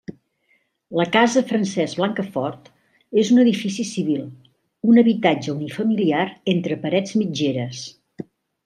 La casa Francesc Blancafort és un edifici civil, un habitatge unifamiliar entre parets mitgeres.